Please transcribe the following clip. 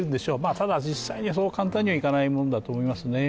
ただ、実際にはそう簡単にはいかないと思います。